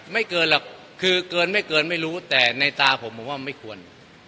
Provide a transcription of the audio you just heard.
ไม่เกินหรอกคือเกินไม่เกินไม่รู้แต่ในตาผมผมว่าไม่ควร